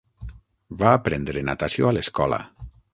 Va aprendre natació a l'escola.